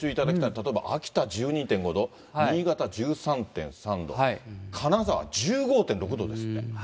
例えば、秋田１２．５度、新潟１３．３度、金沢１５．６度ですって。